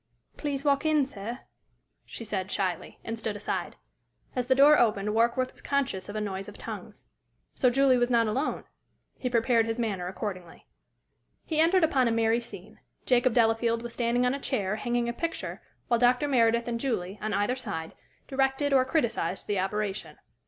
"Please walk in, sir," she said, shyly, and stood aside. As the door opened, Warkworth was conscious of a noise of tongues. So Julie was not alone? He prepared his manner accordingly. He entered upon a merry scene. Jacob Delafield was standing on a chair, hanging a picture, while Dr. Meredith and Julie, on either side, directed or criticised the operation.